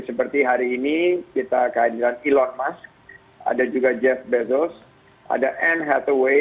seperti hari ini kita kehadiran elon musk ada juga jeff bezos ada anne hathaway